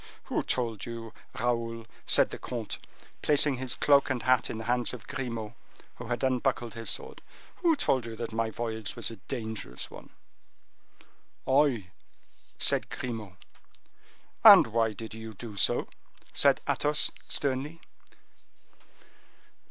"Who told you, Raoul," said the comte, placing his cloak and hat in the hands of Grimaud, who had unbuckled his sword, "who told you that my voyage was a dangerous one?" "I," said Grimaud. "And why did you do so?" said Athos, sternly.